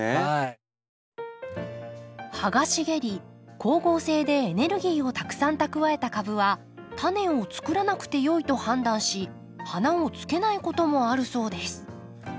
葉が茂り光合成でエネルギーをたくさん蓄えた株はタネをつくらなくてよいと判断し花をつけないこともあるそうです。